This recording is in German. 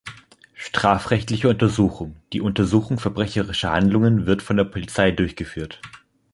Strafrechtliche Untersuchung: die Untersuchung verbrecherischer Handlungen wird von der Polizei durchgeführt.